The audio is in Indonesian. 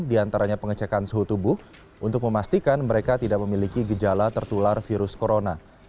di antaranya pengecekan suhu tubuh untuk memastikan mereka tidak memiliki gejala tertular virus corona